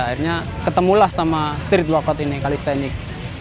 akhirnya ketemulah sama street workout ini kalistenik